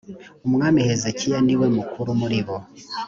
umwami hezekiya niwe mukuru muribo.